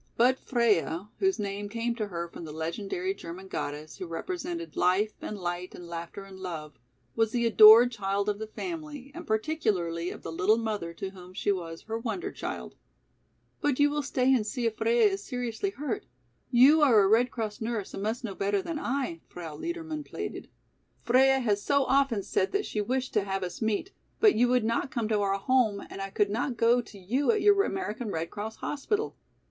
But Freia, whose name came to her from the legendary German goddess, who represented "Life and light and laughter and love," was the adored child of the family and particularly of the little mother to whom she was "her wonder child." "But you will stay and see if Freia is seriously hurt? You are a Red Cross nurse and must know better than I," Frau Liedermann pleaded. "Freia has so often said that she wished to have us meet, but you would not come to our home and I could not go to you at your American Red Cross hospital.